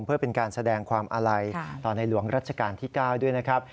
เพื่อเป็นการแสดงความอาลัยต่อในหลวงรัชกาลที่๙ด้วยนะครับ